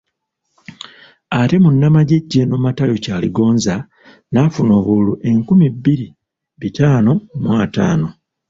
Ate Munnamaje Gen. Matayo Kyaligonza n'afuna obululu enkumi bbiri bitaano mu ataano.